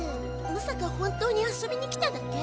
まさか本当に遊びに来ただけ？